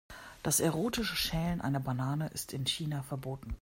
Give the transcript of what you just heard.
Das erotische Schälen einer Banane ist in China verboten.